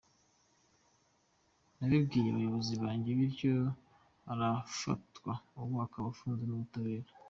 Nabibwiye abayobozi banjye bityo arafatwa ubu akaba afunzwe n’ubutabera.